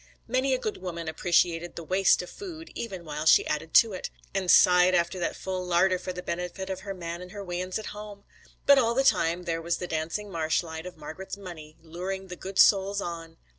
Many a good woman appreciated the waste of good food even while she added to it, and sighed after that full larder for the benefit of her man and the weans at home; but all the time there was the dancing marsh light of Margret's money luring the good souls on.